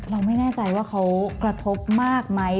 เราไม่แน่ใจว่าเขากระทบมากไหม